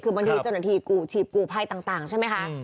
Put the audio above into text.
คือบางทีจนกว่าทีกู้ชีบกู้ไพรต่างใช่ไหมคะ